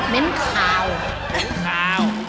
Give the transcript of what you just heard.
เม้นขาว